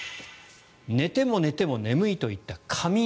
寝ても寝ても眠いといった過眠